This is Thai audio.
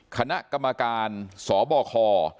คณะกรรมการสบค